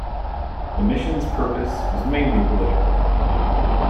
The mission's purpose was mainly political.